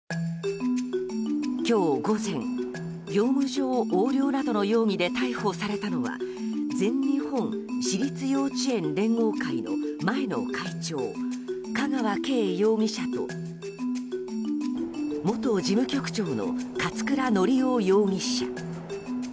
今日午前、業務上横領などの容疑で逮捕されたのは全日本私立幼稚園連合会の前の会長香川敬容疑者と元事務局長の勝倉教雄容疑者。